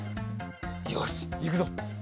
よしいくぞ。